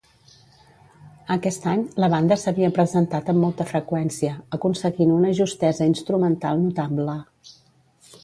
Aquest any la banda s'havia presentat amb molta freqüència, aconseguint una justesa instrumental notable.